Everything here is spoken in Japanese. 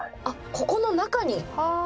あっここの中に。